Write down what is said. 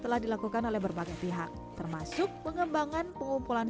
telah dilakukan oleh berbagai pihak termasuk pengembangan pengumpulan